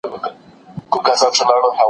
محصل د څيړني نوي لاري لټوي.